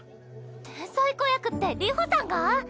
天才子役って流星さんが？